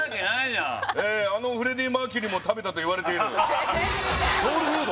あのフレディ・マーキュリーも食べたといわれているええっソウルフード？